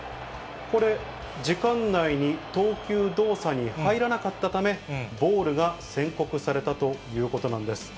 これ、時間内に投球動作に入らなかったため、ボールが宣告されたということなんです。